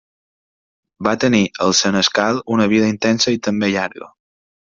Va tenir el senescal una vida intensa i també llarga.